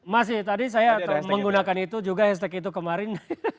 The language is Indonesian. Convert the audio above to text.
masih tadi saya menggunakan itu juga hashtag itu kemarin